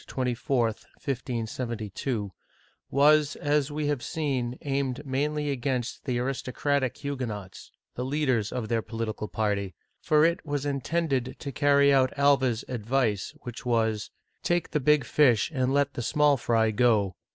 24, 1572) was, as we have seen, aimed mainly against the aristocratic Huguenots, — the leaders of their political party, — for it was intended to carry out Alva's advice, which was :Take the big fish and let the small fry go.